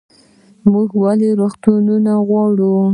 موږ ولې روغتونونه غواړو؟